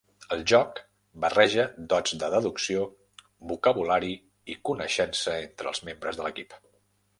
El joc barreja dots de deducció, vocabulari i coneixença entre els membres de l'equip.